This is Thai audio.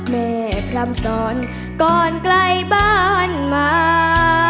แม่พร่ำสอนก่อนไกลบ้านมา